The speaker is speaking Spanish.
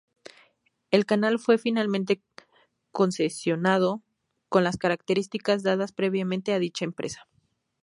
El canal fue finalmente concesionado, con las características dadas previamente a dicha empresa.